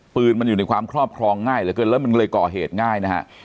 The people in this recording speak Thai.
ปืนมันอยู่ในความครอบครองง่ายเหลือเกินแล้วมันเลยก่อเหตุง่ายนะฮะ